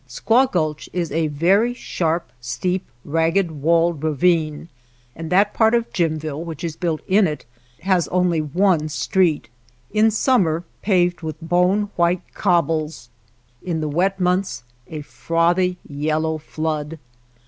Squaw Gulch is a very sharp, steep, ragged walled ravine, and that part of Jim ville which is built in it has only one street, — in summer paved with bone white cobbles, in the wet months a frothy yellow flood.